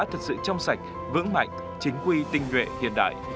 thật sự trong sạch vững mạnh chính quy tinh nguyện hiện đại